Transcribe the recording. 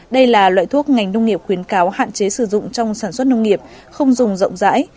đây là loại thuốc ngành nông nghiệp khuyến cáo hạn chế sử dụng trong sản xuất nông nghiệp không dùng rộng rãi